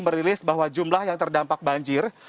merilis bahwa jumlah yang terdampak banjir